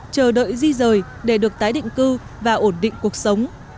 chờ đợi di rời để được tái định cư và ổn định cuộc sống